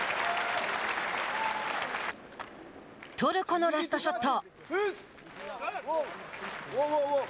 トルコのラストショット。